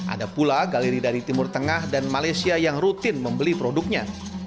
ada pula galeri dari timur tengah dan malaysia yang rutin membeli produknya